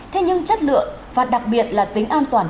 thế nhưng chất lượng và đặc biệt là tính an toàn